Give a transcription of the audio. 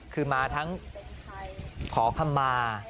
คือมาทั้งขอคำมา